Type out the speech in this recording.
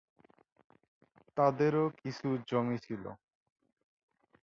তাদেরও কিছু জমি ছিল।